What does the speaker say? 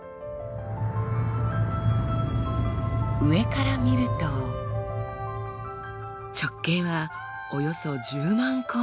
上から見ると直径はおよそ１０万光年。